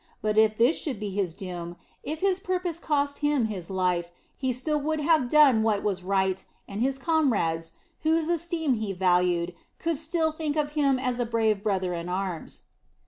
But if this should be his doom, if his purpose cost him his life, he would still have done what was right, and his comrades, whose esteem he valued, could still think of him as a brave brother in arms.